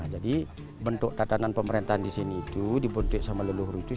nah jadi bentuk tatanan pemerintahan di sini itu dibentuk sama leluhur itu